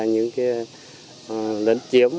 những cái lấn chiếm